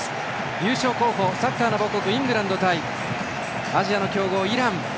優勝候補サッカーの母国イングランド対アジアの強豪イラン。